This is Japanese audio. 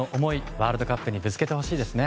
ワールドカップにぶつけてほしいですね。